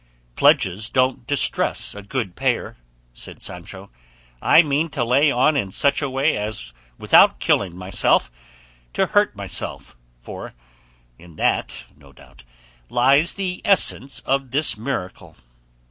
"'Pledges don't distress a good payer,'" said Sancho; "I mean to lay on in such a way as without killing myself to hurt myself, for in that, no doubt, lies the essence of this miracle."